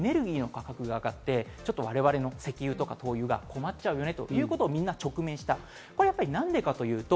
或いはエネルギーの価格が上がって、我々の石油とか灯油が困っちゃうよねということにみんな直面した。